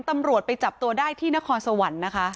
ตำรวจไปจับตัวได้ที่นครสวรรค์นะคะ